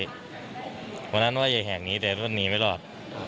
คุณพี่วันนั้นว่าอย่าแหน่งแต่ว่าหนีไม่ลอด